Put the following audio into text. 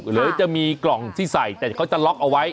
หรือจะมีกล่องที่ใส่แต่เขาจะล็อกเอาไว้